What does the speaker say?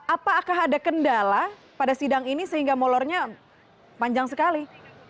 apakah ada kendala pada sidang ini sehingga molornya panjang sekali